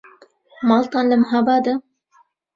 ماڵتان لە مەهابادە؟